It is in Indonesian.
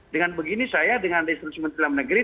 dengan begini saya dengan instruksi menterima negeri